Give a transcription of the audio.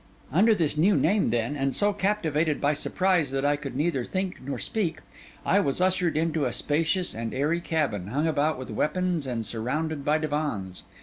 Under this new name, then, and so captivated by surprise that I could neither think nor speak, I was ushered into a spacious and airy cabin, hung about with weapons and surrounded by divans.